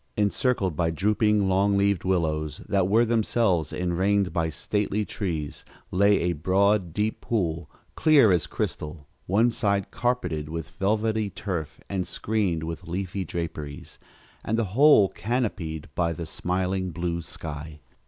Encircled by drooping, long leaved willows that were themselves enringed by stately trees, lay a broad, deep pool, clear as crystal, one side carpeted with velvety turf and screened with leafy draperies, and the whole canopied by the smiling blue sky.